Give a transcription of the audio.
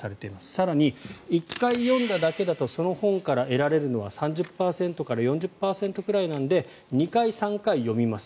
更に、１回読んだだけだとその本から得られるのは３０％から４０％ぐらいなので２回、３回読みます。